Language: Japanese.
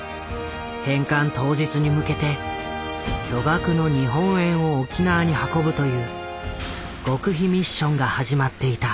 返還当日に向けて巨額の日本円を沖縄に運ぶという極秘ミッションが始まっていた。